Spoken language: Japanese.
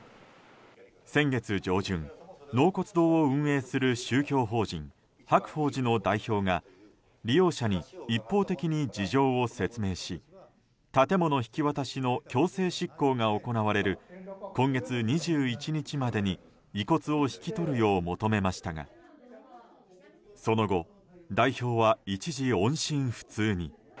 先月上旬納骨堂を運営する宗教法人白鳳寺の代表が利用者に一方的に事情を説明し建物引き渡しの強制執行が行われる今月２１日までに遺骨を引き取るよう求めましたがその後、代表は一時、音信不通に。